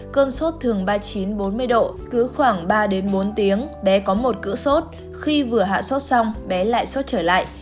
cơn sốt thường ba mươi chín bốn mươi độ cứ khoảng ba đến bốn tiếng bé có một cỡ sốt khi vừa hạ sốt xong bé lại sốt trở lại